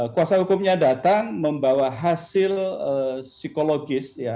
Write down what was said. kuasa hukumnya datang membawa hasil psikologis